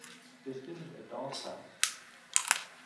This isn't a doss house.